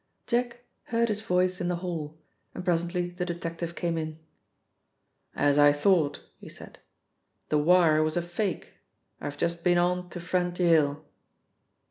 Jack heard his voice in the hall, and presently the detective came in. "As I thought," he said, "the wire was a fake. I've just been on to friend Yale."